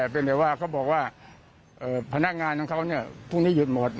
เป็นแบบว่าเขาบอกว่าพนักงานของเขาพรุ่งนี้หยุดหมด